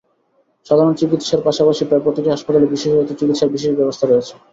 সাধারণ চিকিত্সার পাশাপাশি প্রায় প্রতিটি হাসপাতালই বিশেষায়িত চিকিত্সার বিশেষ ব্যবস্থা রয়েছে।